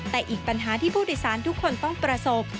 แต่อีกปัญหาที่ผู้โดยสารทุกคนต้องประสบ